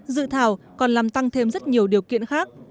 dự thảo còn làm tăng thêm rất nhiều điều kiện khác